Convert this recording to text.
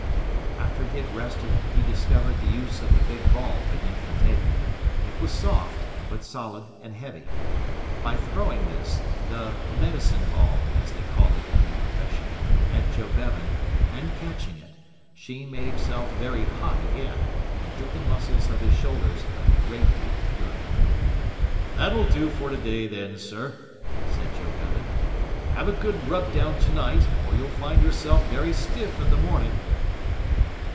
After he had rested he discovered the use of the big ball beneath the table. It was soft, but solid and heavy. By throwing this the medicine ball, as they call it in the profession at Joe Bevan, and catching it, Sheen made himself very hot again, and did the muscles of his shoulders a great deal of good. "That'll do for today, then, sir," said Joe Bevan. "Have a good rub down tonight, or you'll find yourself very stiff in the morning."